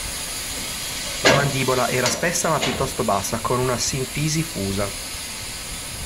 La mandibola era spessa ma piuttosto bassa, con una sinfisi fusa.